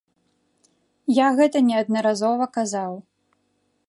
Я гэта неаднаразова казаў.